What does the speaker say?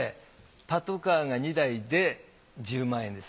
パトカーが２台で１０万円です。